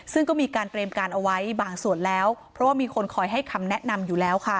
ซึ่งก็มีการเตรียมการเอาไว้บางส่วนแล้วเพราะว่ามีคนคอยให้คำแนะนำอยู่แล้วค่ะ